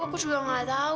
aku sudah nggak tahu